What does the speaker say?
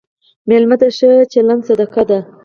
مېلمه ته ښه چلند صدقه ده.